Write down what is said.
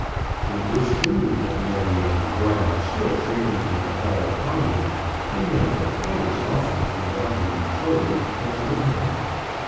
It was true that Maryanne Brown still frequented the Hall of Harmony, and went there quite as often without her betrothed as with him.